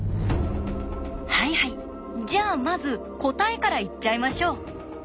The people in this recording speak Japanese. はいはいじゃあまず答えから言っちゃいましょう。